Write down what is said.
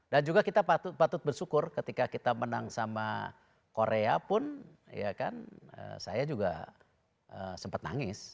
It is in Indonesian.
dan juga kita patut bersyukur ketika kita menang sama korea pun ya kan saya juga sempat nangis